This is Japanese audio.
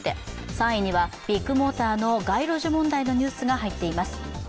３位にはビッグモーターの街路樹問題のニュースが入っています。